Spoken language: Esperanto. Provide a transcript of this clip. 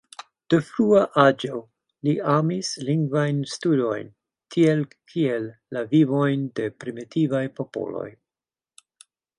De frua aĝo li amis lingvajn studojn, tiel kiel la vivojn de primitivaj popoloj.